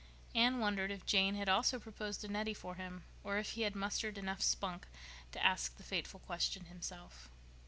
Anne wondered if Jane had also proposed to Nettie for him, or if he had mustered enough spunk to ask the fateful question himself.